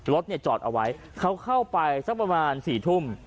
รถเนี่ยจอดเอาไว้เขาเข้าไปสักประมาณ๔ทุ่ม